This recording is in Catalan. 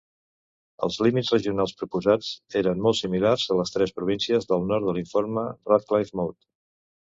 Els límits regionals proposats eren molt similars a les tres províncies del nord de l'informe Redcliffe-Maud.